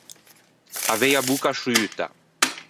Avei a bocca sciuta.